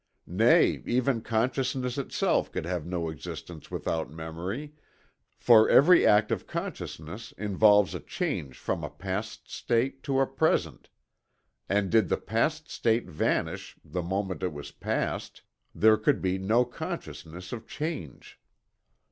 Nay, even consciousness itself could have no existence without memory for every act of consciousness involves a change from a past state to a present, and did the past state vanish the moment it was past, there could be no consciousness of change.